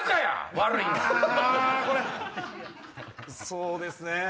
そうですねぇ。